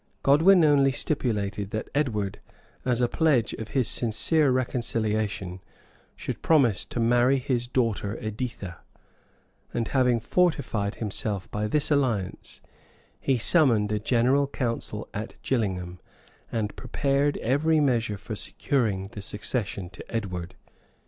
Godwin only stipulated that Edward, as a pledge of his sincere reconciliation, should promise to marry his daughter Editha; and having fortified himself by this alliance, he summoned a general council at Gillingham, and prepared every measure for securing the succession to Edward.